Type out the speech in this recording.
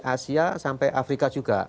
asia sampai afrika juga